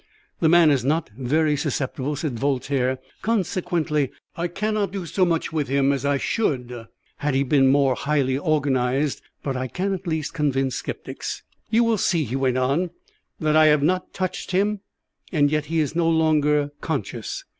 "The man is not very susceptible," said Voltaire, "consequently I cannot do so much with him as I should had he been more highly organized; but I can at least convince sceptics. You will see," he went on, "that I have not touched him, and yet he is no longer conscious.